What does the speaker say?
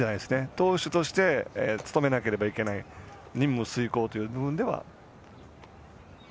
投手として務めなければいけない任務遂行という部分では。